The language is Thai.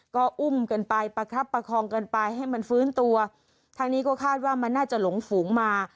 ก็อุ้มกันไปประคับประคองกันไปให้มันฟื้นตัวทางนี้ก็คาดว่ามันน่าจะหลงฝูงมา